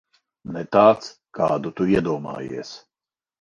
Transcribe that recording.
Ne tāds, kādu tu iedomājies.